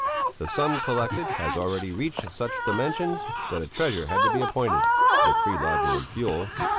The sum collected has already reached such dimensions that a treasurer had to be appointed (with free lodging and fuel).